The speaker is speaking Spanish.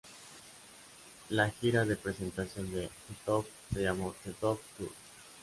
La gira de presentación de "The Top" se llamó "The Top Tour".